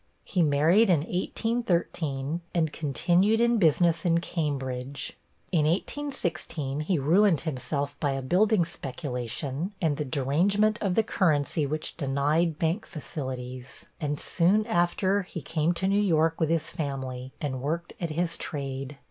He married in 1813, and continued in business in Cambridge. In 1816, he ruined himself by a building speculation, and the derangement of the currency which denied bank facilities, and soon after he came to New York with his family, and worked at his trade.